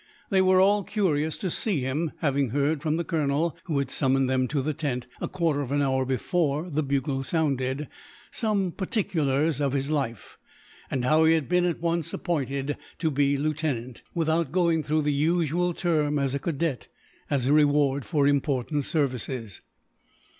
They were all curious to see him, having heard from the colonel who had summoned them to the tent, a quarter of an hour before the bugle sounded some particulars of his life; and how he had been at once appointed to be lieutenant, without going through the usual term as a cadet, as a reward for important services.